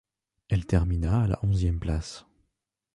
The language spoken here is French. Elle termina à la onzième place.